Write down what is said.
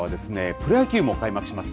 プロ野球も開幕します。